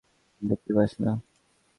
দেখতে পাস না?